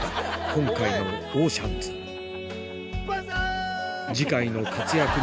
今回の「オーシャンズ」バンザイ！